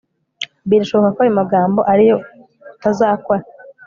birashoboka ko ayo magambo ari ayo utazakora